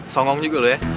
songkong juga lu ya